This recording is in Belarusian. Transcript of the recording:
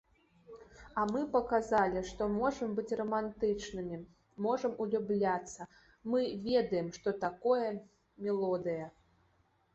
А мы паказалі, што можам быць рамантычнымі, можам улюбляцца, мы ведаем, што такое мелодыя.